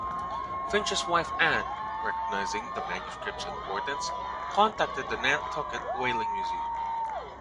Finch's wife Ann, recognizing the manuscript's importance, contacted the Nantucket Whaling Museum.